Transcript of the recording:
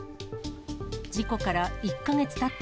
事故から１か月たった